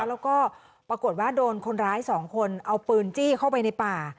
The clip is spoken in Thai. แล้วก็ปรากฏว่าโดนคนร้ายสองคนเอาปืนจี้เข้าไปในป่า